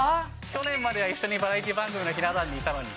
去年までは一緒にバラエティー番組のひな壇にいたのに。